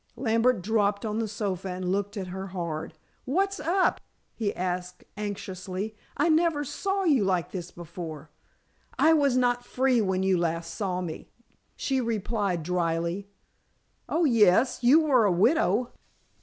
Lambert dropped on the sofa and looked at her hard. "What's up?" he asked anxiously. "I never saw you like this before." "I was not free when you last saw me," she replied dryly. "Oh, yes; you were a widow."